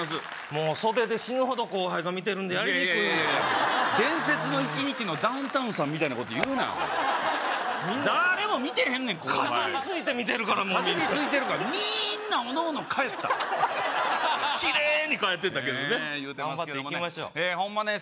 もう袖で死ぬほど後輩が見てるんでやりにくい「伝説の一日」のダウンタウンさんみたいなこと言うなだれも見てへんねん後輩みんなかじりついて見てるからかじりついてるかみんなおのおの帰ったキレイに帰ってったけどね頑張っていきましょうホンマね